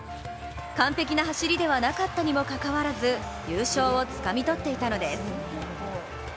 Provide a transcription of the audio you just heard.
完璧な走りではなかったにもかかわらず優勝をつかみ取っていたのです。